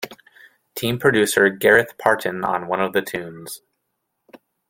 Team producer, Gareth Parton, on one of the tunes.